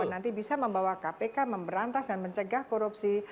nanti bisa membawa kpk memberantas dan mencegah korupsi